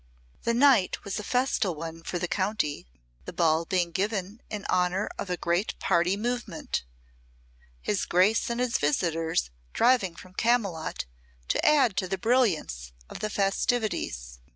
The night was a festal one for the county, the ball being given in honour of a great party movement, his Grace and his visitors driving from Camylott to add to the brilliance of the festivities.